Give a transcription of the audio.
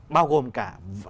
bao gồm cả